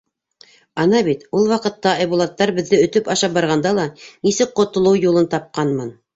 Ана бит, ул ваҡытта Айбулаттар беҙҙе өтөп ашап барғанда ла нисек ҡотолоу юлын тапҡанмын.